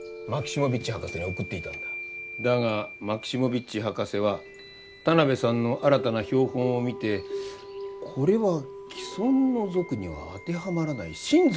だがマキシモヴィッチ博士は田邊さんの新たな標本を見てこれは既存の属には当てはまらない新属ではないかと研究を始めた。